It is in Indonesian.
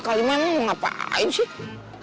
kalian mau ngapain sih